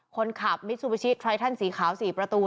คนขับมิซูบิชิไทรทันสีขาว๔ประตู